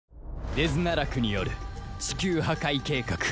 デズナラクによるチキュー破壊計画